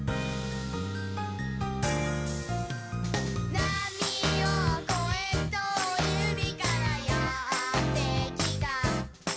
「なみをこえとおい海からやってきた」